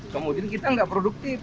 kemudian kita gak produktif